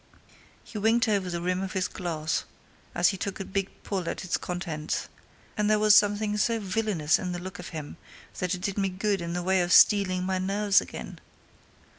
He winked over the rim of his glass as he took a big pull at its contents, and there was something so villainous in the look of him that it did me good in the way of steeling my nerves again.